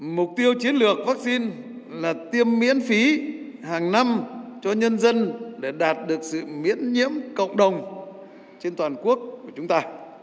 mục tiêu chiến lược vaccine là tiêm miễn phí hàng năm cho nhân dân để đạt được sự miễn nhiễm cộng đồng trên toàn quốc của chúng ta